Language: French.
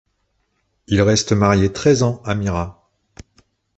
Il reste marié treize ans à Myra.